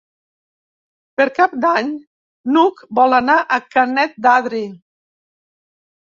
Per Cap d'Any n'Hug vol anar a Canet d'Adri.